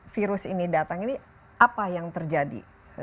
virus ini datang ini apa yang terjadi